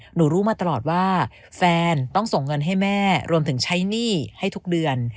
รู้มาตลอดว่าแฟนต้องส่งเงินให้แม่รวมถึงใช้หนี้ให้ทุกเดือน